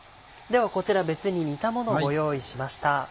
ではこちら別に煮たものをご用意しました。